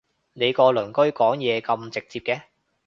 你個鄰居講嘢咁直接嘅？